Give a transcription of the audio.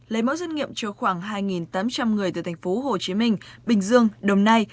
lấy mẫu dân nghiệm cho khoảng hai tám trăm linh người từ thành phố hồ chí minh bình dương đồng nai